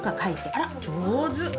あら上手。